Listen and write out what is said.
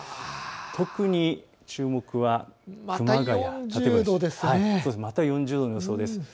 特に注目は館林、また４０度の予想です。